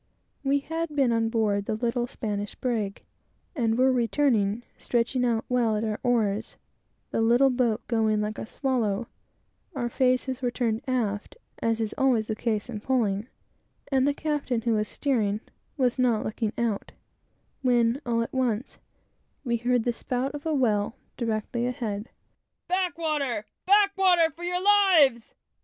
We had been on board the little Spanish brig, and were returning, stretching out well at our oars, the little boat going like a swallow; our backs were forward, (as is always the case in pulling,) and the captain, who was steering, was not looking ahead, when, all at once, we heard the spout of a whale directly ahead. "Back water! back water, for your lives!"